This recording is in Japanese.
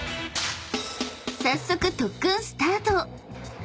［早速特訓スタート］